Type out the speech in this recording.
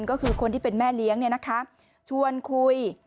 ก็คือคนที่เป็นแม่เลี้ยงเนี่ยนะคะชวนคุย